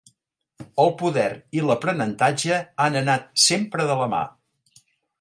El poder i l'aprenentatge han anat sempre de la mà.